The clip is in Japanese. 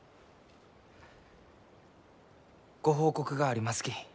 ご報告がありますき。